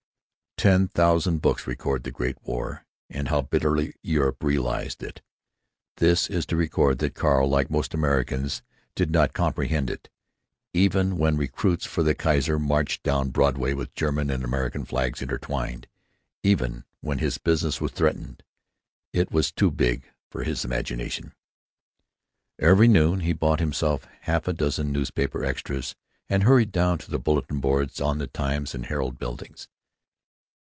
Ten thousand books record the Great War, and how bitterly Europe realized it; this is to record that Carl, like most of America, did not comprehend it, even when recruits of the Kaiser marched down Broadway with German and American flags intertwined, even when his business was threatened. It was too big for his imagination. Every noon he bought half a dozen newspaper extras and hurried down to the bulletin boards on the Times and Herald buildings.